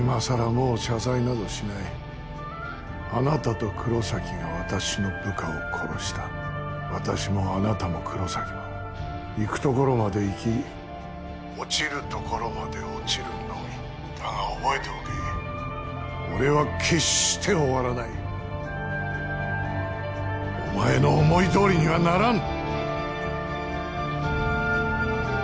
もう謝罪などしないあなたと黒崎が私の部下を殺した私もあなたも黒崎も行くところまで行き☎落ちるところまで落ちるのみ☎だが覚えておけ俺は決して終わらないお前の思いどおりにはならん！